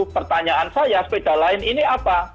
pertanyaan saya sepeda lain ini apa